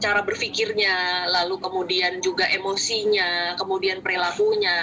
cara berpikirnya lalu kemudian juga emosinya kemudian perilakunya